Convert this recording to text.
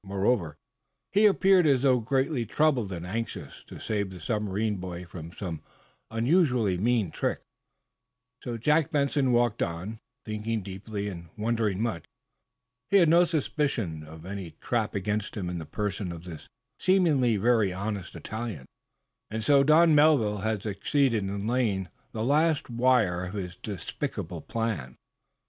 Moreover, he appeared as though greatly troubled and anxious to save the submarine boy from some unusually mean trick. So Jack Benson walked on, thinking deeply and wondering much. He had no suspicion of any trap against him in the person of this seemingly very honest Italian, and so Don Melville had succeeded in laying the last wire of his despicable plan.